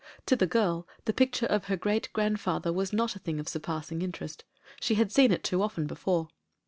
To the girl the picture of her great grandfather was not a thing of surpassing interest — she had seen it too often before.